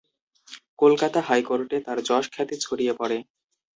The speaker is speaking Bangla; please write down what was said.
কলকাতা হাইকোর্টে তার যশ খ্যাতি ছড়িয়ে পড়ে।